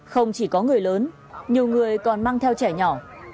không chỉ có người lớn nhiều người còn mang theo trẻ nhỏ